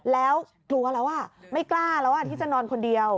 แล้วกลัวแล้วไม่กล้าแล้วที่จะนอนคนเดียว